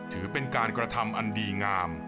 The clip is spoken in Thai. ถือเป็นการกระทำอันดีงาม